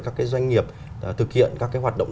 các cái doanh nghiệp thực hiện các hoạt động